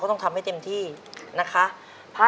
ก็กลึ่งเผา